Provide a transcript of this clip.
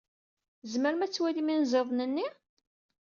Tzemrem ad twalim inẓiden-nni?